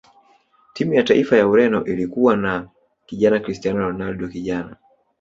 timu ya taifa ya ureno ilikuwa na kijana cristiano ronaldo kijana